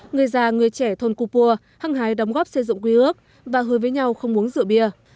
người già người trẻ thôn cô pua hăng hái đóng góp xây dựng quy ước và hứa với nhau không uống rượu bia